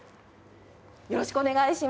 よろしくお願いします。